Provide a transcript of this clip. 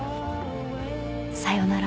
［さよなら。